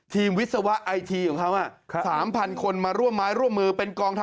ทีมวิศวะไอทีของเขา๓๐๐๐คนมาร่วมไม้ร่วมมือ